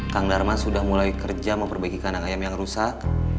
kang darma sudah mulai kerja memperbaiki kanak kanak yang rusak